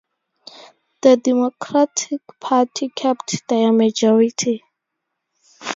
The Democratic Party kept their majority.